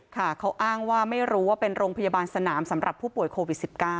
ค่ะเขาอ้างว่าไม่รู้ว่าเป็นโรงพยาบาลสนามสำหรับผู้ป่วยโควิด๑๙